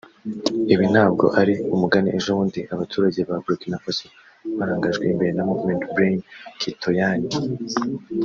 Ibi ntabwo ari umugani ejobundi abaturage ba Bourkinafaso barangajwe imbere na movement Balain Citoyain